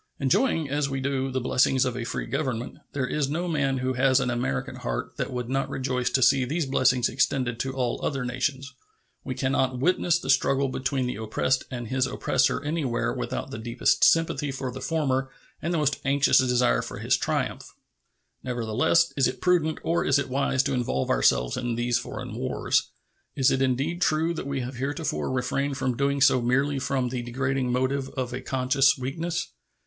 Enjoying, as we do, the blessings of a free Government, there is no man who has an American heart that would not rejoice to see these blessings extended to all other nations. We can not witness the struggle between the oppressed and his oppressor anywhere without the deepest sympathy for the former and the most anxious desire for his triumph. Nevertheless, is it prudent or is it wise to involve ourselves in these foreign wars? Is it indeed true that we have heretofore refrained from doing so merely from the degrading motive of a conscious weakness?